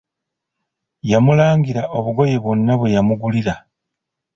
Yamulangira obugoye bwonna bwe yamugulira.